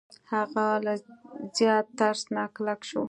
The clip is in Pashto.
هغه له زیات ترس نه کلک شو.